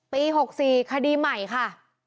ปี๖๔คดีใหม่ค่ะ